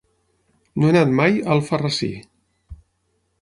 No he anat mai a Alfarrasí.